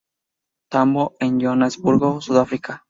Tambo en Johannesburgo, Sudáfrica.